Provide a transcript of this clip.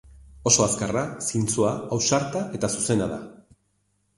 Oso azkarra, zintzoa, ausarta eta zuzena da.